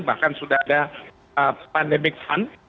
bahkan sudah ada pandemic fund